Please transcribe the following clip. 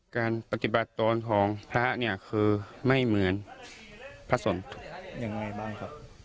การปฏิบัติตรวจของพระเนี่ยคือไม่เหมือนพระสนทุกข์